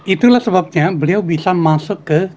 itulah sebabnya beliau bisa masuk ke